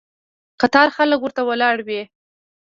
قطار خلک ورته ولاړ وي.